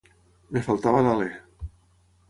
Em faltava l’alé.